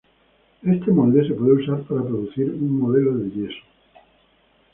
Este molde se puede usar para producir un modelo de yeso.